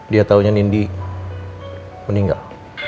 dia taunya nindi meninggal